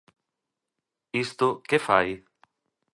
Isto ¿que fai?